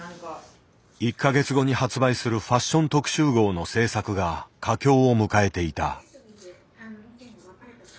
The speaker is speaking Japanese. １か月後に発売するファッション特集号の制作が佳境を迎えていた。